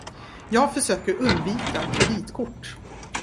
Jag försöker undvika kreditkort.